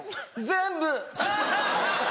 全部！